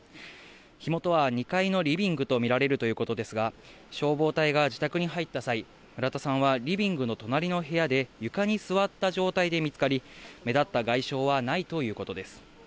火元は２階のリビングと見られるということですが、消防隊が自宅に入った際、村田さんはリビングの隣の部屋で、床に座った状態で見つかり、目立った外傷はないということです。